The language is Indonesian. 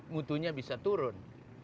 mutunya bisa turun